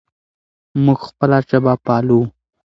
موږ خپله ژبه پالو.